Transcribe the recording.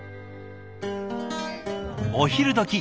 お昼どき